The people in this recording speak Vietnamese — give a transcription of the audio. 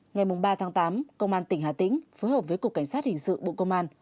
ngày ba tháng tám công an tỉnh hà tĩnh phối hợp với cục cảnh sát hình sự bộ công an